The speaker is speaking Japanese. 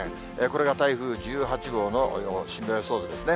これが台風１８号の進路予想図ですね。